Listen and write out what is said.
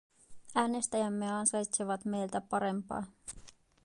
Äänestäjämme ansaitsevat meiltä parempaa.